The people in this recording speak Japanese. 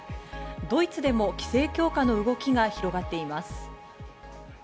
ドイツでも規制強化の動きが広がっています。